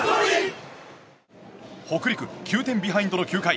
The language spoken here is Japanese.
北陸９点ビハインドの９回。